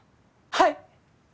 はい！